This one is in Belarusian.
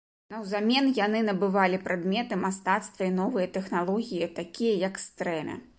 Наўзамен яны набывалі прадметы мастацтва і новыя тэхналогіі, такія, як стрэмя.